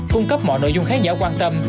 cung cấp mọi nội dung khán giả quan tâm